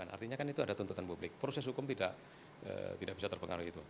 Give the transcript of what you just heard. artinya kan itu ada tuntutan publik proses hukum tidak bisa terpengaruh itu